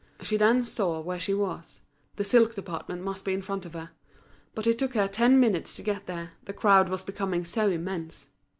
She then saw where she was; the silk department must be in front of her. But it took her ten minutes to get there, the crowd was becoming so immense.